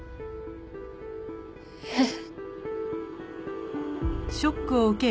えっ？